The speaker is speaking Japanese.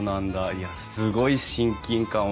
いやすごい親近感湧くわ。